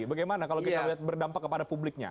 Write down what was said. bagaimana kalau kita lihat berdampak kepada publiknya